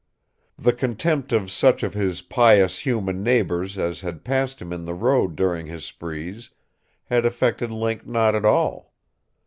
The contempt of such of his pious human neighbors as had passed him in the road during his sprees had affected Link not at all.